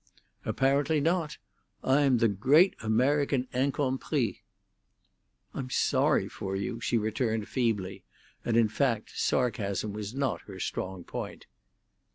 "Apparently not. I am the great American incompris." "I'm sorry for you," she returned feebly; and, in fact, sarcasm was not her strong point.